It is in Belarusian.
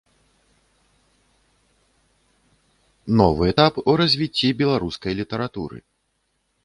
Новы этап у развіцці беларускай літаратуры.